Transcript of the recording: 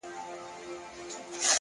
په هغه ورځ خدای ته هيڅ سجده نه ده کړې”